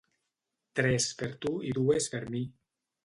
Tres per tu i dues per mi.